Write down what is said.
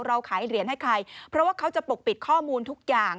เราขายเหรียญให้ใครเพราะว่าเขาจะปกปิดข้อมูลทุกอย่าง